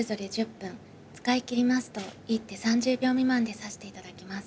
使い切りますと一手３０秒未満で指していただきます。